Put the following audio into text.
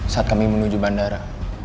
saat kami menuju bandara